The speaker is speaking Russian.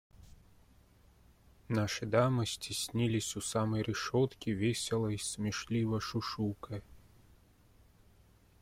Наши дамы стеснились у самой решетки, весело и смешливо шушукая.